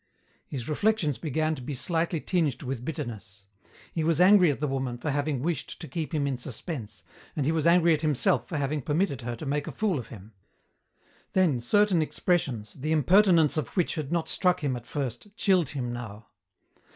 His reflections began to be slightly tinged with bitterness. He was angry at the woman for having wished to keep him in suspense, and he was angry at himself for having permitted her to make a fool of him. Then certain expressions, the impertinence of which had not struck him at first, chilled him now.